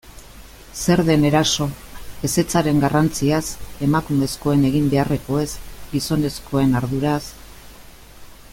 Zer den eraso, ezetzaren garrantziaz, emakumezkoen egin beharrekoez, gizonezkoen arduraz...